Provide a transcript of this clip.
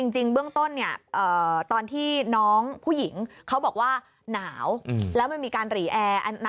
จริงเบื้องต้นเนี่ยตอนที่น้องผู้หญิงเขาบอกว่าหนาวแล้วมันมีการหรี่แอร์